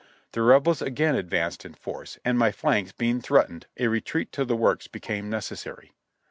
The Rebels again ad vanced in force, and my flanks being threatened, a retreat to the works became necessary.